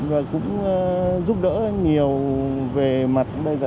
và cũng giúp đỡ nhiều về mặt bây giờ